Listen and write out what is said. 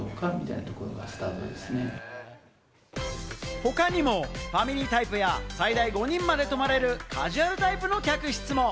他にも、ファミリータイプや最大５人まで泊まれるカジュアルタイプの客室も。